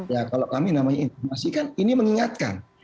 ya kalau kami namanya informasi kan ini mengingatkan